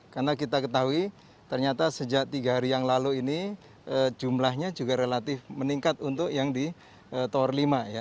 karena kita ketahui ternyata sejak tiga hari yang lalu ini jumlahnya juga relatif meningkat untuk yang di tower lima ya